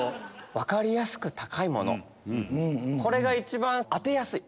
分かりやすく高いものこれが一番当てやすい。